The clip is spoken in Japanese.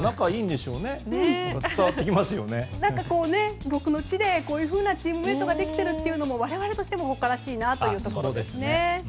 異国の地でこういうようなチームメートができているのも我々としても誇らしいなということですね。